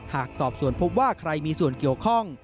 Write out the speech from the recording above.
หากสอบส่วนพบว่าใครมีส่วนเกี่ยวข้อง